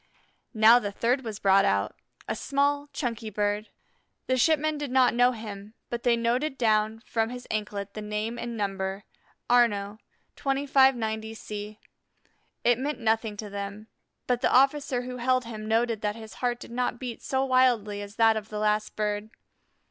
Now the third was brought out, a small, chunky bird. The shipmen did not know him, but they noted down from his anklet his name and number, Arnaux, 2590 C. It meant nothing to them. But the officer who held him noted that his heart did not beat so wildly as that of the last bird.